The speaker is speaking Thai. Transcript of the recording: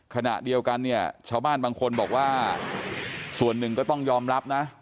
ขณะเดียวกันเนี่ยชาวบ้านบางคนบอกว่าส่วนหนึ่งก็ต้องยอมรับนะ